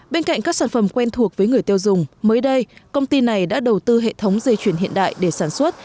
bên cạnh các sản phẩm quen thuộc với người tiêu dùng mới đây công ty này đã đầu tư hệ thống dây chuyển hiện đại để sản xuất